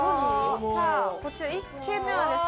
さあこちら１軒目はですね